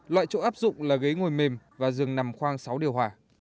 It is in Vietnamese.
loại chỗ áp dụng là ghế ngồi mềm và rừng nằm khoang sáu điều hòa